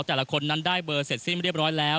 แต่ละคนนั้นได้เบอร์เสร็จสิ้นเรียบร้อยแล้ว